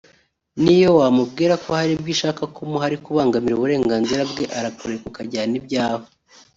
niyo wamubwira ko hari ibyo ushaka kumuha ariko ubangamira uburenganzira bwe arakureka ukajyana ibyawe